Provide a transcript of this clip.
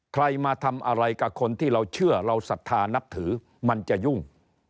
ใครมาทำอะไรกับคนที่เราเชื่อเราศรัทธานับถือมันจะยุ่ง